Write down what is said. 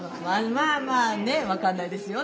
まあまあね分かんないですよ。